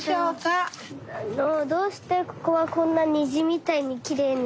どうしてここはこんなにじみたいにきれいに？